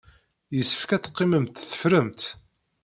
Yessefk ad teqqimemt teffremt.